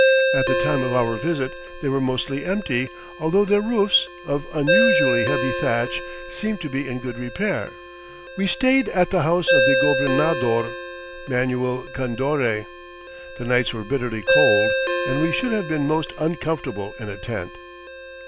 At the time of our visit they were mostly empty, although their roofs, of unusually heavy thatch, seemed to be in good repair. We stayed at the house of the gobernador, Manuel Condoré. The nights were bitterly cold and we should have been most uncomfortable in a tent.